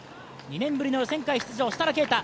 ２年ぶりの予選会出場、設楽啓太。